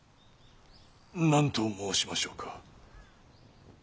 何と申しましょうか。